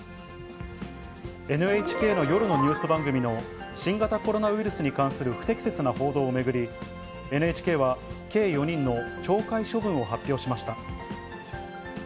ＮＨＫの夜のニュース番組の新型コロナウイルスに関する不適切な報道を巡り、ＮＨＫは、計４人の懲戒処分を発表しました。